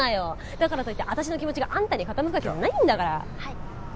だからといって私の気持ちがあんたに傾くわけじゃないんだから。